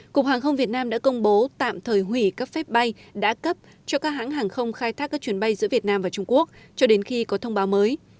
cục hàng không việt nam đã công bố tạm thời hủy các phép bay đã cấp cho các hãng hàng không khai thác các chuyến bay giữa việt nam và trung quốc cho đến khi có thông báo mới